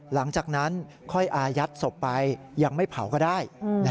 หลังจากนั้นค่อยอายัดศพไปยังไม่เผาก็ได้